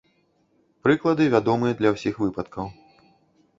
Прыклады вядомыя для ўсіх выпадкаў.